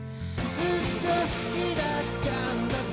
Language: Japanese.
「ずっと好きだったんだぜ」